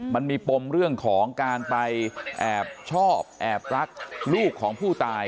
มันมีปมเรื่องของการไปแอบชอบแอบรักลูกของผู้ตาย